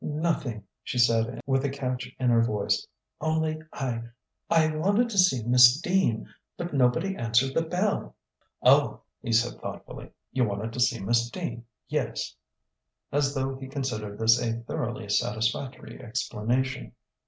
"Nothing," she said with a catch in her voice "only I I wanted to see Miss Dean; but nobody answered the bell." "Oh!" he said thoughtfully "you wanted to see Miss Dean yes!" as though he considered this a thoroughly satisfactory explanation.